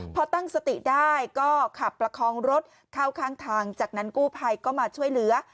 พอตั้งสติได้ก็ขับประคองรถเข้าข้างทางจากนั้นกู้ภัยก็มาช่วยเหลือ